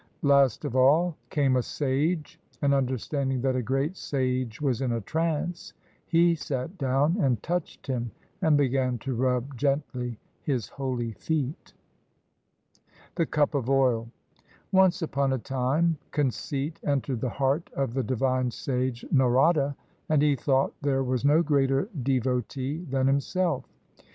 Last of all came a sage, and understanding that a great sage was in a trance, he sat down and touched him and began to rub gently his holy feet. THE CUP OF OIL Once upon a time conceit entered the heart of the divine sage Narada and he thought there was no greater devotee than himself.